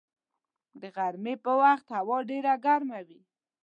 د غرمې په وخت هوا ډېره ګرمه وي